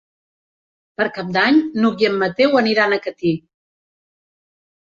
Per Cap d'Any n'Hug i en Mateu aniran a Catí.